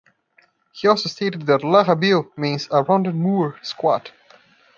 He also stated that "larrabil" means a "rounded moor, squat".